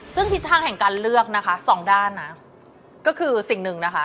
ซึ่งทิศทางแห่งการเลือกนะคะสองด้านนะก็คือสิ่งหนึ่งนะคะ